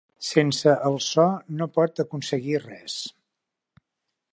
Sense el so no pot aconseguir res.